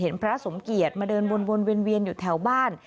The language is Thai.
พระสมเกียจมาเดินวนเวียนอยู่แถวบ้าน